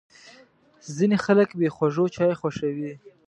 ځینې خلک بې خوږو چای خوښوي.